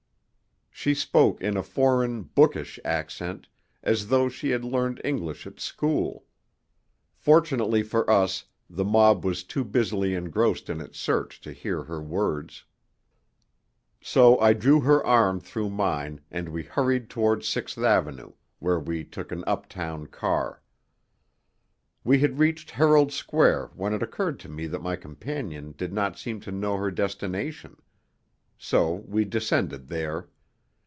She spoke in a foreign, bookish accent, as though she had learned English at school. Fortunately for us the mob was too busily engrossed in its search to hear her words. So I drew her arm through mine and we hurried toward Sixth Avenue, where we took an up town car. We had reached Herald Square when it occurred to me that my companion did not seem to know her destination. So we descended there.